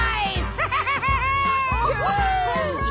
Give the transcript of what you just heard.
ハハハハハ！